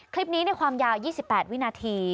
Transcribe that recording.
คลิปนี้ในความยาว๒๘วินาที